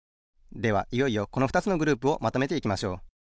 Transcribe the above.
ではいよいよこのふたつのグループをまとめていきましょう。